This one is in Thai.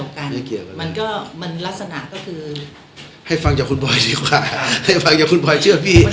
มันก็มันลักษณะก็คือให้ฟังจากคุณบอยดีกว่าให้ฟังจากคุณบอยเชื่อพี่